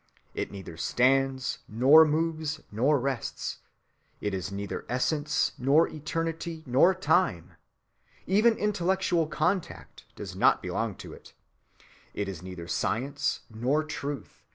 It neither stands, nor moves, nor rests.... It is neither essence, nor eternity, nor time. Even intellectual contact does not belong to it. It is neither science nor truth.